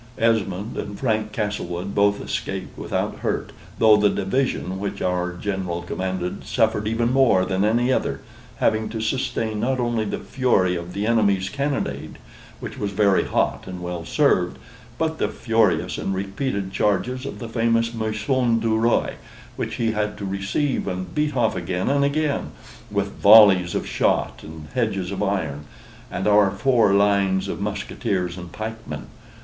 Esmond and Frank Castlewood both escaped without hurt, though the division which our General commanded suffered even more than any other, having to sustain not only the fury of the enemy's cannonade, which was very hot and well served, but the furious and repeated charges of the famous Maison du Roy, which we had to receive and beat off again and again, with volleys of shot and hedges of iron, and our four lines of musqueteers and pikemen.